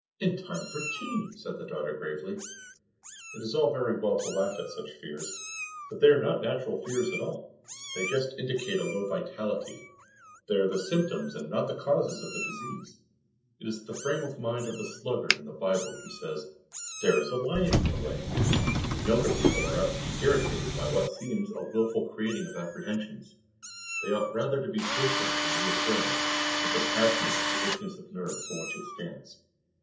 "In time for tea!" said the daughter gravely. It is all very well to laugh at such fears, but they are not natural fears at all, they just indicate a low vitality; they are the symptoms and not the causes of a disease. It is the frame of mind of the sluggard in the Bible who says, "There is a lion in the way." Younger people are apt to be irritated by what seems a wilful creating of apprehensions. They ought rather to be patient and reassuring, and compassionate to the weakness of nerve for which it stands.